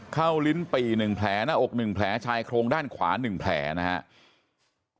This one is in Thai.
ลิ้นปี่๑แผลหน้าอก๑แผลชายโครงด้านขวา๑แผลนะครับ